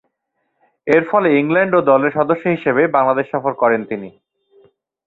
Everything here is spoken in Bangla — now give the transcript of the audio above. এরফলে ইংল্যান্ড এ দলের সদস্য হিসেবে বাংলাদেশ সফর করেন তিনি।